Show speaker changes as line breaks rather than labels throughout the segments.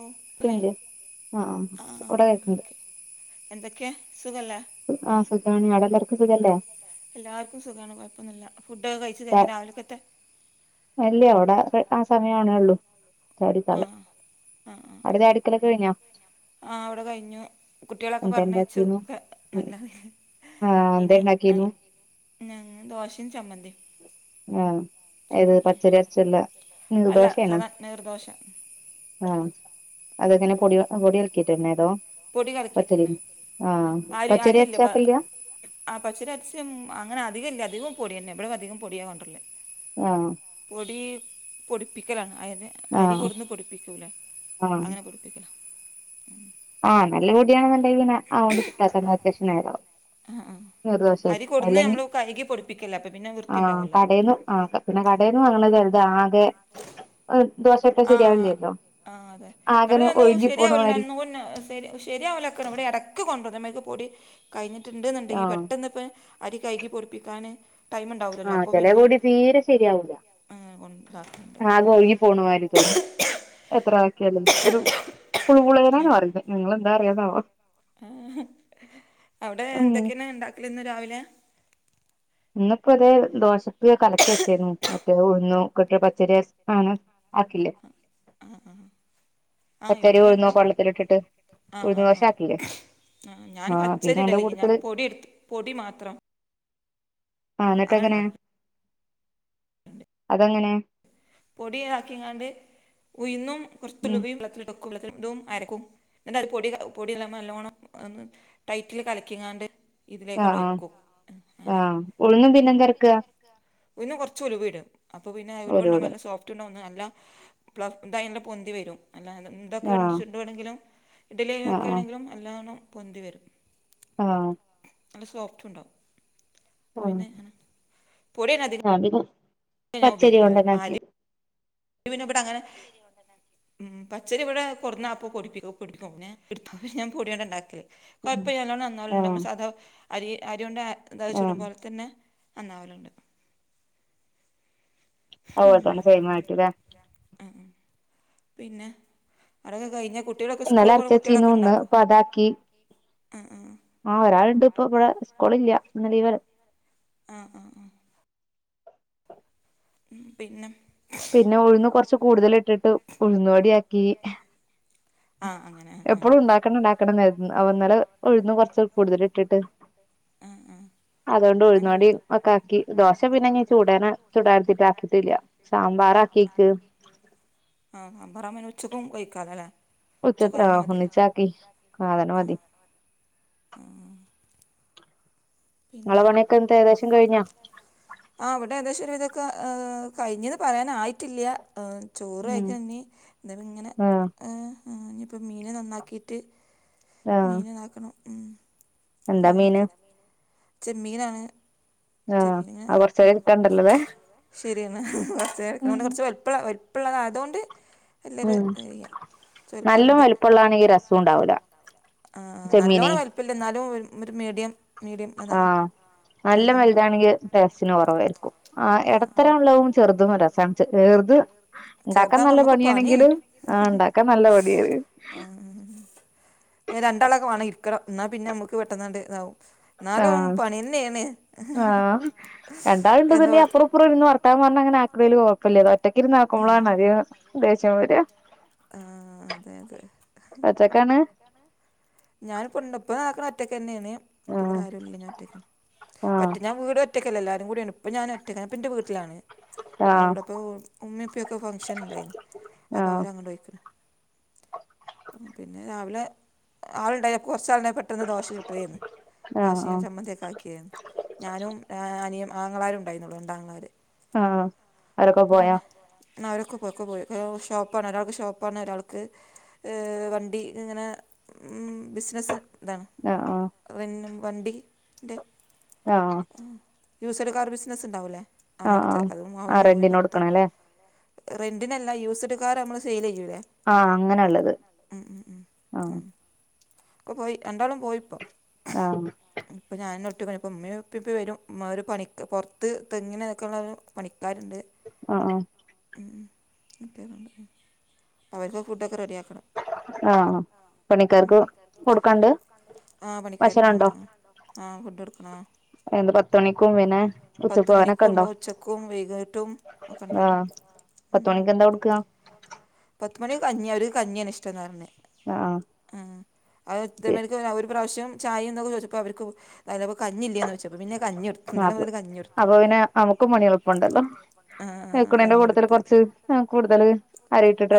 ഓ ഇല്ലേ
കല്ലെ ആ ഹ ഓട [unintelligible]
എന്തൊക്കെ സുഖല്ലേ
ആഹ് സുഖാണ് അവിടെ എല്ലാവർക്കും സുഖമല്ലേ
എല്ലാവർക്കും സുഖമാണ് കുഴപ്പൊന്നില്ല ഫുഡ്‌ ഒക്കെ കഴിച്ച് കഴിഞ്ഞോ രാവിലെക്കത്തെ
ഇല്ല ഇവിടെ ആ സമയം ആണേള്ളൂ
ആ ആ ആ ആ
അവ്ടെ ചായ കുടിക്കലൊക്കെ കയിഞ്ഞ
ആ ഇവിടെ കഴിഞ്ഞു കുട്ടികളൊക്കെ
എന്താ
പറഞ്ഞ് അയച്ചു
ഇണ്ടാക്കീന്നു
ഒക്കെ നല്ലത്
ആഹ് എന്താ
ഇനി
ഇണ്ടാക്കീന്നു
ദോശയും ചമ്മന്തിയും
ആഹ് ഏത് പച്ചരി അരച്ചുള്ള
അല്ല സദാ നീർദോഷ
ആഹ
ഉം.
അതെങ്ങനെയാ പൊടി പൊടി കലക്കിട്ടെന്നെ അതോ
പൊടി
പച്ചരി
കലക്കിയിട്ടെന്നെ
ആഹ്
അരി
പച്ചരി
അരിയില്ല പ
അരച്ചാക്കലില്ല
ആ പച്ചരി അരച്ചും അങ്ങനെ അധികല്ല അധികവും പൊടിയെന്നെ ഇവിടെ അധികം പൊടിയാ കൊണ്ടരല്
ആഹ
പൊടി പൊടിപ്പിക്കലാണ് അയിനെ അരി
ആഹ്
കൊടുന്ന് പൊടിപ്പിക്കൂല
ആഹ്
അങ്ങനെ [unintelligible]
ആ നല്ല പൊടിയാണെന്നുണ്ടെങ്കിൽ പിന്നെ അതുകൊണ്ട് ചുട്ടാ അത്യാവശ്യം നേരാവും
ആ ആ
നീർദോശേ
അരി കൊടുന്ന്
അല്ലെങ്കിൽ
നമ്മൾ കഴുകി പൊടിപ്പിക്കല്ലേ അപ്പം പിന്നെ വൃത്തി
ആഹ
ഉണ്ടാവുമല്ലോ
കടേന്ന് പിന്നെ കടേന്ന് വാങ്ങണത് ചെലത് ആകെ ദോശട്ടെ
ആ
ശരിയാവില്ലല്ലോ
ആ അതെ
ആകെനെ
കാരണം
ഒഴുകി പോണമാരി
ഒന്ന് ശ ശെരിയാവില്ലക്കണ ഇവിടെ ഇടക്ക് കൊണ്ടുന്ന മ്മക്ക് പൊടി
ആഹ്
കഴഞ്ഞിട്ടുണ്ടുന്ന്ണ്ടെങ്കിപെട്ടെന്ന് ഇപ്പൊ അരി കയ്കി പൊടിപ്പിക്കാന്
ആഹ് ചെല പൊടി തീരെ ശരിയാവൂല്ല
ആ, കൊണ്ടാക്കുന്നുണ്ട്
ആകെ [unintelligible] പോണുവാര്തു എത്ര ആക്കിയാലും ഒരു. കുളുകുളേനാന്ന പറിന്നത് ങ്ങളെന്താറന്നാവോ
ഹേ ഹ്. അവടെ
ഉം
എന്തൊക്കെണ് ഇണ്ടാക്കല്ന്ന് രാവിലെ
ഇന്ന്പ്പതേ ദോശക്ക് കലക്കി വെച്ചേരുന്നു മറ്റേ ഉഴുന്നു കൊക്കെ പച്ചരി സാനം ആക്കില്ലേ
ഏഹ് ആഹ്
പച്ചരി ഉഴുന്നുകെ വള്ളത്തിലിട്ടിട്ട്
ആഹ് ആഹ് ആഹ് ഞാൻ
പിന്നെ അയിന്റെ
പച്ചരിടലില ഞാൻ
കൂട്ടത്തില്
പൊടി ഇടുത്ത് പൊടി മാത്രം
ആഹ് ഇന്നിട്ട്
അങ്ങനെ
എങ്ങനെ
ഉണ്ടാക്കും
അതെങ്ങനെ
പൊടി ആക്കീങ്ങാണ്ട് ഉയ്ന്നും
ഉം
[unintelligible] അരക്കും [unintelligible] പൊടി പൊടിയെല്ലാം നല്ലോണം ഒന്ന് ടൈറ്റിൽ കലക്കീങ്ങാണ്ട്
ആഹ് അഹ് ആഹ് ഉഴുന്നും പിന്നെന്തരക്ക
പിന്നെ കൊർച്ചുലുവിടാ അപ്പപിന്നെ
ഓലോട്
ഉലുവണ്ടമ്പോല്ല സു- സോഫ്റ്റ്ണ്ട ഒന്ന് അല്ല പ്ല ഇതായി ല്ല പൊന്തി വരും അല്ലാ ഇണ്ടോക്കെ
ആഹ്
ചുണ്ടണെങ്കിലും
ആഹ്
ഇഡലിയയൊക്കെയാണെങ്കിലും അല്ലാണം പൊന്തി വരും
ആ
നല്ല സോഫ്റ്റ് ഉണ്ട് പിന്നെ പൊടിഅതിക
ആബിദു
ഞാനുപയോക്കല് ആരി പിന്നെ വിടങ്ങനെ ഉമ് പച്ചരി ഇവിടെ കൊട്ന്നാ അപ്പോ പൊടിപ്പിക്കും. പിടിപ്പിക്കു പിന്നെ ഇടുതോ പൊടിയൊണ്ടണ്ടാക്കല്
ഉം
കൊഴപ്പല്യ നല്ലോണ നന്നവല്ണ്ട്
ആഹ്
നമ്മ സാധാ അരി അരിയോണ്ട് എന്താ
ആഹ്
ചൂടുപോലെ തന്നെ നന്നാവല്ണ്ട്
അതോലെത്തന്നെ സേയ്മായിട്ട്ല്ലേ
മ് മ് പിന്നെ അടൊക്കെ കഴിഞ്ഞ കുട്ടികളൊക്കെ
ഇന്നലെ
സ്കൂള് പോണ
അരച്ചച്ചീന്നു
കുട്ടികളൊക്കെണ്ടോ?
ഇന്ന് ഇപ്പൊ
മ് മ്
ആ് ഒരാളുണ്ട്പ്പൊ ഇവടെ സ്കോളില്ല്യ ഇന്ന് ലീവലെ.
ആഹ് ആഹ് ആഹ്. ഉം പിന്നെ?
പിന്നെ ഉഴുന്ന് കൊറച്ച് കൂടുതലിട്ടിട്ട് ഉഴുന്നുവടിയാക്കി.
ആ അങ്ങനെ അ.
ക്കണം ണ്ടാക്കണന്നെരുതും അവൊന്നലെ ഉഴുന്നു കൊറച് കൂടുതലിട്ടിട്ട്
ആ ആ ആ
അതുകൊണ്ട് ഉഴുന്നുവടീം
ആ
ഒക്കെ ആക്കി ദോശ പിന്നെഞ്ഞി ചുടണം ചുടാര്തീട്ട് ആക്കിട്ടില്ല്യ. സാമ്പാറാക്കീക്ക്
ആ അമ്പറാമൊ ന്നെ ഉച്ചക്കും ഒ ഴിക്കാലോല്ലേ?
ഉച്ചക്ക് ആ ഒന്നിച്ചാക്കി ആ അതെന്നെ മതി.
ആഹ
നിങ്ങളെ പണിയൊക്കങ് കഴിഞ്ഞോ ഏകദേശം
ആ അവിടെ ഏകദേശം ഒരു വിതൊക്കെ കഴിഞ്ഞുന്നു പറയാനായിട്ടില്ല.
ഉം
ചോറയിക്കഞ്ഞി-ങ്ങനെ
ആഹ്
ആ ഇനിപ്പം മീന് നന്നാക്കിട്ട്
ആഹ്
മീനന്നാക്കണം മ്
എന്താ മീന്
അങ്ങനൊക്കെ ചെമ്മീനാണ്
ആഹ്
ചെമ്മീൻങ്ങനെ
അത് കൊറച്ചേരം ഇരിക്കാണ്ടല്ലോല്ലേ
ശരിയാണ്ന്ന വറു ത്ത് അരക്ക്നണോണ്ട്
ഉം
കുറച്ച് വൽ- അതോണ്ട്
നല്ലും
വലിപ്പമുണ്ട് നല്ല
വലുപ്പള്ളാണെങ്കിരസോംണ്ടാവൂല
ആ നല്ലോണം വല്പ്ല്ല ന്നാലും ഒരു മീഡിയം മീഡിയം അതാണ്
ആഹ നല്ല
ആഹ്
വലുതാണെങ്കിൽ ടേസ്റ്റിന് കുറവായിരിക്കും ആ ഇടത്തരം ഉള്ളതും ചെറുതും രസാണ് ചെറുത് ഇണ്ടാക്കാൻ
ചെറുതാകുമ്പോൾ
നല്ല
നമുക്ക് പണിയാണ്
പണിയാണെങ്കിലും ആ ഉണ്ടാക്കാൻ നല്ല മടിയാണ്.
രണ്ടാളൊക്കെ വേണം ഇരിക്കണം എന്നാൽ പിന്നെ നമുക്ക് പെട്ടെന്നാണ്ട് ഇതാവും. എന്നാലും
ആഹ
പണി തന്നെയാണ്
ആഹ രണ്ടാള്ണ്ട്ന്ന്ണ്ടെ
എന്ന്
പിന്നെ
പറ
അപ്പറും ഇ പ്പറം ഇരുന്ന് വർത്താനം പറഞ്ഞ് അങ്ങനെ ആക്കുന്നതിൽ കുഴപ്പമില്ല ആ ഒറ്റക്ക് ഇരുന്ന് ആക്കുമ്പോളാണ് അതികം ദേശ്യം വര.
ആഹ അതെ അതെ.
ഒറ്റക്കാണ്
ഞാൻ ഇപ്പോ നടക്കണ ഒറ്റയ്ക്ക് തന്നെയാണ് ഇപ്പാ.
ആഹ്
ഇവിടെ ആരും ഇല്ല ഞൻ ഒറ്റയ്ക്ക. ഒറ്റ
ആഹ്
ഞാൻ വീട് ഒറ്റ എല്ലാരും കൂടിയാണ് ഇപ്പ ഞാൻ ഒറ്റക്കണ് ഞാനിപ്പൊ ന്റെ വീട്ടിലാണ്
ആഹ്
ഇവിടെപ്പോ ഉമ്മീം ഇപ്പീം ഫംഗ്ഷൻ ഇണ്ടായിരുന്നു അപ്പൊ അവര്
ആഹ്
അങ്ങട്ട് പോയിക്ക്ണ് പിന്നെ രാവിലെ ആളുണ്ടായ ഇൻക് കുറചാള് പെട്ടെന്ന് ദോശ ചുട്ടുതേന്ന്.
ആഹ്
ദോശയും
ആഹ്
ചമ്മന്തിക്കെ ആക്കിയന്ന് ഞാനും അനിയൻ ആങ്ങളാരും ഉണ്ടായിരുന്നുള്ളു രണ്ട് ആങ്ങളാര്.
ആഹ അവരൊക്കെ പോയാ.
പിന്നെ അവരൊക്കെ ഒക്കെ പോയി ഷോപ്പാണ് ഒരാൾക്ക് ഷോപ്പ് ഒരാൾക്ക് വണ്ടി ഇങ്ങനെ ബിസിനസ്സ് ഇതാണ്.
ആ ആ.
ന്നും വണ്ടിന്റെ.
ആഹ.
യൂസഡ് കാർ ബിസിനസ് ഉണ്ടാവില്ലേ
ആഹ്
അങ്ങനത്തെ
ആഹ്
അതും
ആഹ്
അവനും പോയി
റെന്റിന്
പുറത്ത്.
കൊടുക്കണം അല്ലേ
റെന്റിനല്ല യൂസ്ഡ് കാർ നമ്മള് സെയിൽ ചെയ്യൂലേ
ആഹ അങ്ങനെള്ളത് ആഹ.
ഇപ്പൊ പോയി രണ്ടാളും പോയിപ്പോ.
ആഹ
ഇപ്പം ഞാനെന്നെ ഒറ്റക്കൊള്ളൂ. ഇപ്പം ഉമ്മേം ഉപ്പേം ഇപ്പൊ വരും ഒരു പണിക്ക് പുറത്ത് തെങ്ങിനൊക്കെയുള്ളരു. പണിക്കാരുണ്ട്.
ആഹാ ആഹാ
ഉം [unintelligible] അവര്ക്ക് ഫുഡ് ഒക്കെ റെഡി ആക്കണം.
ആഹ്.
പണിക്കാർക്ക് കൊടുക്കാനുണ്ട്ആഹ് പണിക്കാർക്ക് വേണോ?
ഭക്ഷണണ്ടോ
ആഹ് ഫുഡ്‌ കൊടുക്കണൊ
എന്ത് പത്തുമണിക്ക് മുമ്പിനെ ഉച്ചു പോവാനൊക്കെ
മണിക്കും
ഉണ്ടോ
ഉണ്ടാവും ഉച്ചക്കും വൈകിട്ടും ഒക്കെ ഉണ്ട്
ആഹ്. പത്തുമണിക്ക് എന്താ കൊടുക്ക്‌ക.
പത്തുമണിക്ക് കഞ്ഞി അവര്ക്ക് കഞ്ഞിയാണ് ഇഷ്ടംന്നാ പറഞ്ഞെ.
ആ ആ.
ഉം ആ എത്തുമ്പേലേക്കും ഒരു പ്രാവശ്യം ചായ എന്നൊക്കെ ചോദിച്ചപ്പോ അവർക്ക്. തലൊപ്പോ കഞ്ഞില്ലെന്നോച്ചപ്പോ പിന്നെ കഞ്ഞിടുത്ത്.
അപ്പ അപ്പൊ പിന്നെ നമുക്കും പണി എളുപ്പോണ്ടല്ലോ
ആ
വെക്കണേന്റെ
കഞ്ഞി
കൂട്ടത്തില്
എടുത്ത്
കുറച്ച്. ആ കൂടുതല്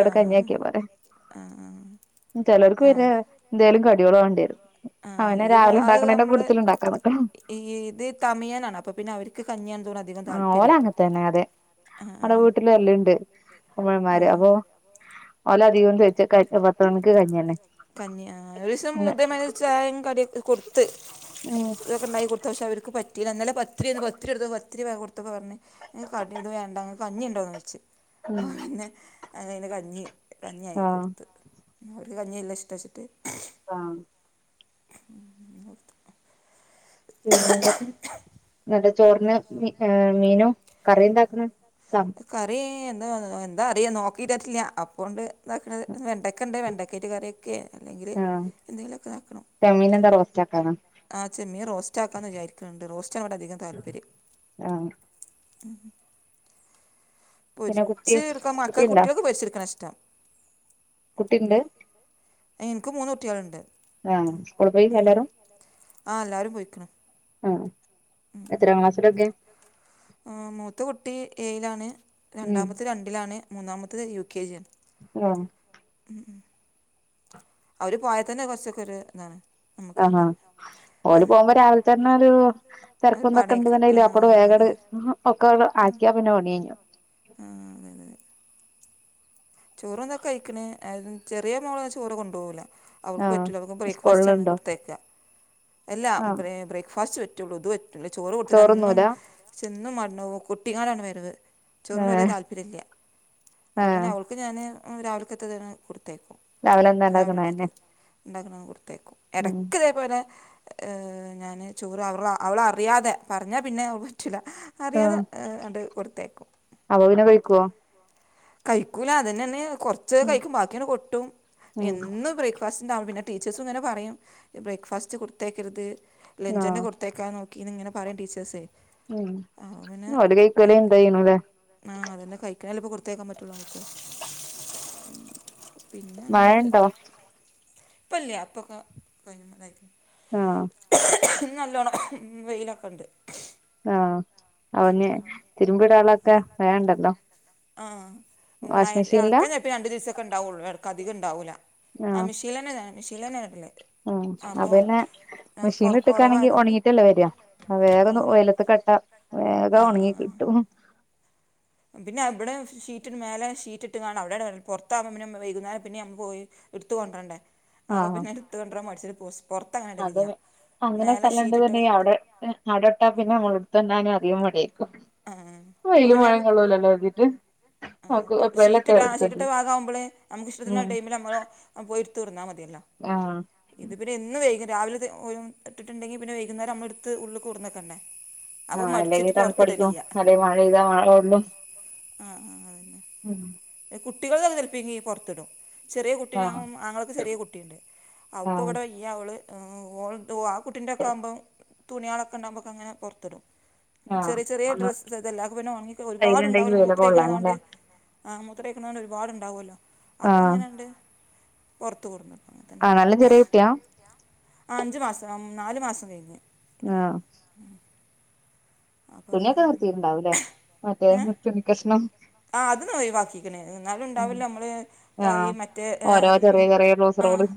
ആ
കഞ്ഞിയാക്കിയാ പോരെ.
ആ ആ
ചേലോരുക്ക്
ആഹ്
പിന്നെ
അത്
എന്തേലും കടികള് വേണ്ടിവരും.
ആഹ്
അതുപിന്നെ
ഇത്
രാവിലെ
അത്
ഉണ്ടാക്കണേന്റെ
നമ്മള്
കൂട്ടത്തിൽ ഉണ്ടാക്കാൻ നിക്കണം.
ഈ ഇത് തമിയനാണ് അപ്പൊ പിന്നെ അവര്ക്ക് കഞ്ഞിയാണ് തോന്നണതി
ആ ഓല അങ്ങത്ത തന്നെ അതെ
ആഹ്
അമ്മടെ
ആഹ്
വീട്ടില് വരല്ണ്ട് തമിഴന്മാര് അപ്പൊ ഓല് അധികം ചോയിച്ച പത്ത് മണിക്ക് കഞ്ഞിന്നെ
കഞ്ഞി ആ ഒരുദിവസം
പിന്നെ
ഇതേമാതിരി ചായേം കടിയൊക്കെ കൊടുത്ത് ഇതൊക്കെ ഉണ്ടാക്കി കൊ അത് പക്ഷെ അവർക്ക് പറ്റിയില്ല ഇന്നലെ പത്തിരിയന്ന് പത്തിരി എടുത്ത് പത്തിരി കൊടുത്തപ്പ പറഞ്ഞു. ഏ കടി ഇത് വേണ്ട കഞ്ഞി ഒണ്ടോന്ന് ചോതിച്ച്. ഒ
ഉം
പിന്നെ അങ്ങനെ കഞ്ഞി കഞ്ഞിയാക്കി
ആഹ്
കുടുത്ത്. അവര്ക് കഞ്ഞിയല്ലേ ഇഷ്ടച്ചിട്ട്.
ആ പിന്നെ എന്തൊക്കെ ചോറിന് മീ മീനും കറിയെന്താക്കണ് ചാ
കറി എന്താ എന്താ അറില്ല നോക്കിയിട്ടരട്ടില്ല അപ്പോണ്ട് എന്താക്കണത് വെണ്ടയ്ക്കണ്ട് വെണ്ടയ്ക്കേയിട്ട് കറിവെ ക്കെ അല്ലെങ്കില് എന്തെങ്കിലുക്കെ ആക്കണം
മീനെന്താ റോസ്റ്റാക്കാനാ
ആ ചെമ്മീൻ റോസ്റ്റ് ആാക്കാന്ന് വിചാരിക്കുന്നുണ്ട് റോസ്റ്റാ ഇവിടെ അധികം താല്പര്യം.
ആഹ്
[unintelligible]
പിന്നെ കുട്ടി
പൊരിച്ച് ഇടക്ക മക്കൾ
കുട്ടിണ്ടാ
കുട്ടികൾക്ക് പൊരിച്ച് ഇടുക്കണാ ഇഷ്ടം.
കുട്ടിണ്ട്
എനിക്ക് മൂന്ന് കുട്ടികളുണ്ട്
ആഹ് സ്കൂളി പോയി എല്ലാരും
ആ എല്ലാവരും പോയിക്കണ്
ആ എത്രാ ക്ലാസില ഒക്കെ?
ആ മൂത്ത കുട്ടി ഏയിലാണ്
ഉം
രണ്ടാമത്തെ രണ്ടിലാണ് മൂന്നാമത്തെത് യു കെ ജിയാണ്.
ആഹ്
[unintelligible] അവര് പോയാൽ തന്നെ കൊറച്ചൊക്കെ ഒരു ഇതാണ് നമ്മുക്ക്
ആഹാ
വേണ്ടി
ഓല് പോകുമ്പോ രാവിലെ തന്നെ ഒരു തിരക്കും
ഒരു പടയൊക്കെ ആ
ഒന്നൊക്കെണ്ട്ന്നിണ്ടങ്കിൽ അപ്പടു
അതെ
വേഗങ്ങട്
അതെ
ഒക്കെ അങ്ങട് ആക്കിയാ പിന്നെ പണി കയിഞ്ഞു
ആ അതെ അതെ ചോറ് എന്തൊ കഴിക്കണ് ചെറിയ മോള് ചോറ് കൊണ്ടുപോവുല്ല അവൾക്ക്
ആഹ്
പറ്റൂല അവക്ക് ബ്രേക്ക്ഫാസ്റ്റ്റ്റ ആണ്
സ്കൂളിലുണ്ടോ
കൊടുത്തേക്കാ എല്ലാ
ആഹ്
ബ്രേ ബ്രേക്ക്ഫാസ്റ്റ് പറ്റുള്ളൂ ഇത് പറ്റു റ്റൂല ചോറ് കൊട്ത്ത്ക്ക ഇന്നും
ചോറുന്നൂല
ചെന്നും [unintelligible] പോ കൊട്ടിങ്ങാണ്ടാണ് വരവ് ചോറിനു വലിയ
ഏഹ്
താല്പര്യല്ല
ഏഹ്
പിന്നെ അവൾക്ക് ഞാന് രാവിലക്കത്തതാണ് കൊടുത്തേക്കും
എന്താ
രാവിലെ
ഉണ്ടാക്കണന്നെ
ഇണ്ടാക്കിയത് ഇണ്ടാക്കണത് കൊടുത്തേക്കും
ഉം
എടക്കിതേ പോലെ ഏ ഞാന് ചോറ് അവള് അവളറിയാതെ പറഞ്ഞാ പിന്നെ അവക്ക് പറ്റില്ല അറിയാതെ അങ്ങട് കൊട്ത്ത് അയക്കും
അവൾ പിന്നെ കഴിക്കുവോ
കഴിക്കൂല അതന്ന തന്നെ കൊറച്ച
ഉം
കഴിക്കും ബാക്കിയങ്ങട് കൊട്ടും
ഉം
എന്നും ബ്രേക്ക് ബ്രേക്ക്‌ഫാസ്റ്റ് ഉണ്ടാവും പിന്നെ ടീച്ചേഴ്സും ഇങ്ങനെ പറയും ബ്രേക്ക്ഫാസ്റ്റ് കൊടുത്ത് അയക്കരുത് ലഞ്ച് തന്നെ
ആഹ്
കൊടുത്തയ് ക്കാൻ നോക്കിന്ന് ഇങ്ങനെ പറയും ടീച്ചേഴ്സേ. അപ്പം
ഉം അവിടെ കയ്ക്കല് എന്തേയ്നുലെ
ആഹ് അതന്നെ കഴിക്കണെ അല്ലെ ഇപ്പോ കൊടുത്ത് അയക്കാൻ പറ്റുള്ളു അങ്ങട്ട്. പിന്നെ
മഴ
അങ്ങനെണ്ട്
ഉണ്ടോ
ഇപ്പല്ല്യ അപ്പൊക്കെ [unintelligible]
ആഹ്
നല്ലോണ്ണം വെയിലൊക്കെ ഒണ്ട്
ആഹ് അവന് തിരുമ്പിടാനൊള്ളൊക്കെ വേഗണ്ടല്ലോ
ആഹ് [unintelligible] അലക്കാൻ ചെലപ്പോ രണ്ടു ദിവസൊക്കെ ഇണ്ടാവുള്ളു ഇടക്ക് അധികം ഇണ്ടാവൂല. ആ മെഷീനില്ലെന്നേ ഞാൻ മെഷീനില്ലന്നെ അലക്കല്
ഉം അതന്നെ മെഷീനിൽ ഇട്ടക്കാണെങ്കി
കുറവായതുകൊണ്ട്
ഒണങ്ങിട്ടല്ലേ വരാ വേഗം ഒന്ന് വെയിലത്ത്ക്ക് ഇട്ടാൽ വേഗം
ആഹ്
ഒണങ്ങി
ആഹ്
കിട്ടും
പിന്നെ ഇവിടെ ഷീറ്റിന് മേലെ ഷീറ്റ് ഇട്ട്ക്കാണ്ട് അവിടാണ് പുറത്താവുമ്പൊ പിന്നെ വൈകുന്നാരം പിന്നെ നമ്മൾ പോയി എടുത്തു കൊണ്ടരണ്ടേ അപ്പൊ പിന്നെ എടുത്തു കൊണ്ടരാൻ മടിച്ചിട്ട് പോ
അതെ ഇപ്പൊ അങ്ങനെ
ഷീറ്റിട്ട
സ്ഥലുണ്ട്ന്നുണ്ടെങ്കി അവിടെ അവിടോട്ടാ പിന്നെ നമ്മളെ എടുത്തോണ്ടാൻ അധികം മടിയേക്കും
ആഹ്
വെയിലും മഴയും കൊള്ളൂലല്ലോ അതിട്ട്
ആ അപ്പൊ ഷീറ്റ് ഇട്ട ആ ഷീറ്റിട്ട ഭാഗാവുമ്പൊള് നമുക്ക് ഇഷ്ടത്തിനുള്ള
ഉം
ടൈമിൽ നമ്മളോ ആ പോയി എടുത്ത് കൊടുന്നാൽ മതിയല്ലോ.
ആഹ്
ഇത് പിന്നെ എന്നും വൈകും രാവിലെ ഇത് ഒരു ഇട്ടിട്ടുണ്ടെങ്കിൽ പിന്നെ വൈകുന്നേരം നമ്മള് എടുത്ത് ഉള്ളിൽ കൊടന്നെക്കണ്ടേ.
ആ അല്ലെങ്കി തണുപ്പടിക്കും അല്ലെ മഴെയ്താ മഴകൊള്ളും
ആ ആ ആ കുട്ടികൾടെത് ചെലപൊങ്കി പൊറത്തിടും ചെറിയ
ആഹ്
കുട്ടിനാകും ആങ്ങളക്ക്‌ ചെറിയ കുട്ടിണ്ട്
ആഹ്
അപ്പോവിടെ ഈ അവൾ ഓൾടെ [unintelligible] കുട്ടിൻ്റെ ഒക്കെ ആകുമ്പം തുണികളൊക്കെ ഇണ്ടാവുമ്പോക്കെ അങ്ങനെ പൊറത്തിടും
ആഹ്
ചെറിയ ചെറിയ
ഒന്ന്
ഡ്രസ്സ് ഇതെല്ലാം ഒക്കെ പിന്നെ ഓണങ്ങിക്ക
വെയിലുണ്ടെങ്കി
ഒരുപാടുണ്ടാവുല്ലോ
വെയിലൊക്കെ
മൂത്രയിക്കണേനുകൊണ്ട്
കൊള്ളാനല്ലേ
ആ മൂത്രയിക്കണോണ്ട് ഒരുപാടുണ്ടാവുല്ലോ അപ്പോ
ആഹ്
അങ്ങനെയണ്ട് പുറത്ത് കൊണ്ടന്നിടും
ആ നല്ല ചെറിയ കുട്ടിയാ
ആ അഞ്ചു മാസം നാലു മാസം കഴിഞ്ഞ്
ആഹ്
അപ്പം
തുണിയൊക്കെ
അങ്ങനെ
നിർത്തിയിട്ടുണ്ടാവൂല്ലേ മറ്റേ
ഏ
തുണി കഷ്ണം
ആ അതീന്നൊയിവാക്കി എന്നാലും
ഉം
ഉണ്ടാവില്ലോ മ്മള്
ആഹ്
ഈ മറ്റേ ഏ
ഓരോ ചെറിയ ചെറിയ
ആ
ട്രൗസറുകള്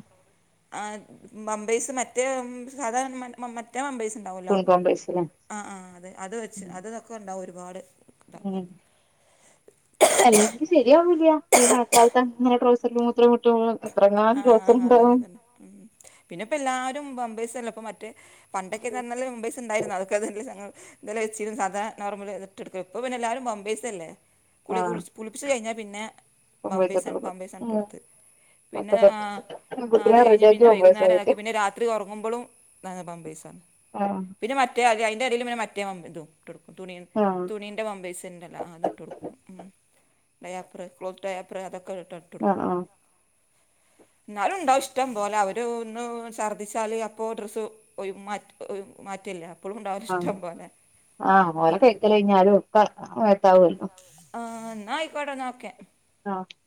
ആ ബമ്പേയ്സ് മറ്റേ സാധാരണ മ് മ മറ്റേ പാമ്പേഴ്സ് ഇണ്ടാവുല്ലോ
തുണിക്കോമ്പേഴ്സില്
ആ ആ അതെ അത് വെച്ച് അതൊക്കെണ്ടാവും ഒരുപാട്
ഉം
ഇതാക്കാൻ
അല്ലെങ്കില് ശരിയാവൂല്ല ഈ മഴക്കാലത്ത് ഇങ്ങനെ ട്രൗസറില് മൂത്രോ [unintelligible] എത്രങ്ങാനും
ആഹ് ആഹ് അതന്നെ
ദിവസവുണ്ടാകും
അതന്നെ ഉം പിന്നെ ഇപ്പ എല്ലാരും ബാംബേസലപ്പം മറ്റേ പണ്ടൊക്കെന്ന് പറഞ്ഞാല് ബാമ്പെഴ്സ് ഉണ്ടായിരുന്നു അതൊക്കയല്ലേ ഞങ്ങൾ ഇതല്ലാം വെച്ചിനും സാധാ നോർമല് ഇട്ടെടുക്കും ഇപ്പൊ പിന്നെ എല്ലാരും പംമ്പേഴ്സ് അല്ലേ കുളി
ആഹ്
കുളിച്ച് കുളിപ്പിച്ച് കഴിഞ്ഞാ പിന്നെ
കോമ്പേഴ്സിട്ട്
ബാംമ്പേസാണ്
കൊടുക്കും
ബമ്പേസ്സണിട്ട്
ഉം
കൊടുത്ത്
ഒക്കെ
പിന്നെ ആ
സെറ്റ്
ആ അത്
കുട്ടിനെ
കഴിഞ്ഞ്
റെഡിയാക്കി
പിന്നെ
കൊണ്ടോയി
വൈകുന്നേരായിരിക്കും പിന്നെ രാത്രി ഒറങ്ങുമ്പോളും ന്താണ് പാമ്പേഴ്സാണ്
പറ
പിന്നെ മറ്റേ അയിന്റടീൽ പിന്നെ മറ്റേ ഇതും ഇട്ടോടുക്കും തുണിയെ
ഉം
തുണീൻ്റെ പാമ്പേഴ്സിണ്ടല്ലാ അത് ഇട്ട് കൊടുക്കും ഡയാപ്പർ ക്ലോത്ത് ഡയപ്പർ അതൊക്കെ ഇട്ടോടുക്കും
ആ ആ
എന്നാലുംണ്ടാവും ഇഷ്ടമ്പോലെ അവര് ഒന്ന് ഛർദ്ദിച്ചാല് അപ്പോ ഡ്രസ്സ് ഒരു മാറ്റ് ആഹ് മാറ്റുല്ലോ അപ്പഴും ഉണ്ടാവുല്ലോ
ആഹ്
ഇഷ്ടമ്പോലെ
ആഹ് ഓളെ കയ്യ്ക്കല് കഴിഞ്ഞാലു ഒക്കെ മേത്താവൂല്ലോ
ആഹ് ന്നാ ആയിക്കോട്ടേ ന്നാ ഓക്കേ
ന്നാ ഓക്കേ